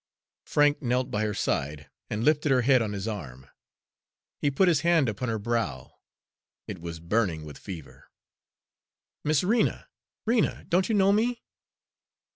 Frank knelt by her side and lifted her head on his arm. He put his hand upon her brow; it was burning with fever. "Miss Rena! Rena! don't you know me?"